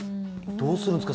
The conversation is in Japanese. どうするんですか？